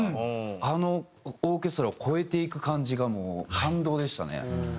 あのオーケストラを超えていく感じが感動でしたね。